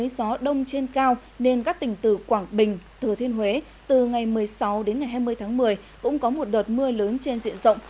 gió đông trên cao nên các tỉnh từ quảng bình thừa thiên huế từ ngày một mươi sáu đến ngày hai mươi tháng một mươi cũng có một đợt mưa lớn trên diện rộng